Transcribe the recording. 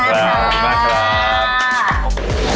ขอบคุณมาก